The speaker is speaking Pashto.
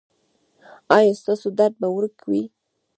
ایا ستاسو درد به ورک وي؟